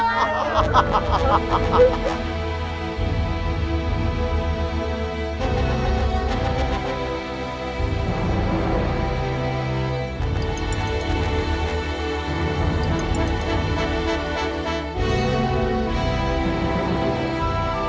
kita dapat banyak barangmu